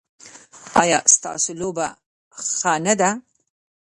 ایا ستاسو لوبه ښه نه ده؟